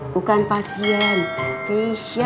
bukan pasien fashion